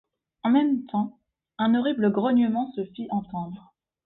En même temps, un horrible grognement se fit entendre.